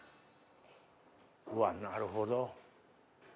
うわなるほど。